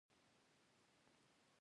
ګوا ساحلونه لري.